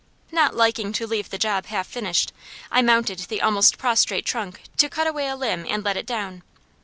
Not liking to leave the job half finished, I mounted the almost prostrate trunk to cut away a limb and let it down.